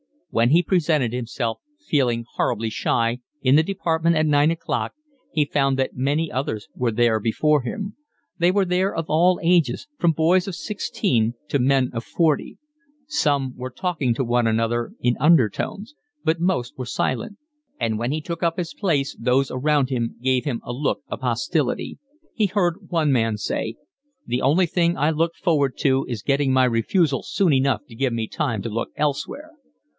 When he presented himself, feeling horribly shy, in the department at nine o'clock he found that many others were there before him. They were of all ages, from boys of sixteen to men of forty; some were talking to one another in undertones, but most were silent; and when he took up his place those around him gave him a look of hostility. He heard one man say: "The only thing I look forward to is getting my refusal soon enough to give me time to look elsewhere."